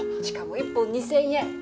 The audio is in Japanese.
しかも１本２０００円！